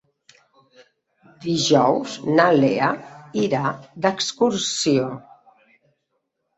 Dijous na Lea irà d'excursió.